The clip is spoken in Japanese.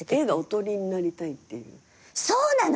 そうなの！？